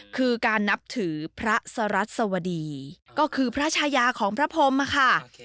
คือการนับถือพระสรัสสวดีก็คือพระชายาของพระพรมค่ะ